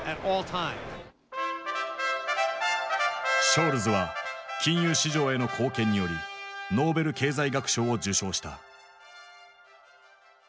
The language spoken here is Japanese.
ショールズは金融市場への貢献によりノーベル経済学賞を受賞した。